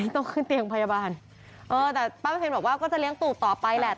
ต้องขึ้นเตียงพยาบาลเออแต่ป้าประเพ็ญบอกว่าก็จะเลี้ยงตู่ต่อไปแหละ